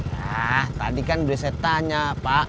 nah tadi kan udah saya tanya pak